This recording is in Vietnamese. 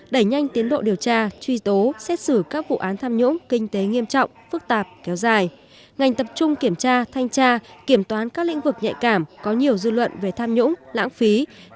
đẩy nhanh tiến độ điều tra truy tố xét xử các vụ án tham nhũng kinh tế nghiêm trọng phức tạp kéo dài